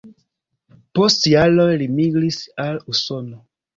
Post jaroj li migris al Usono.